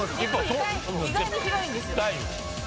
意外に広いんですよ。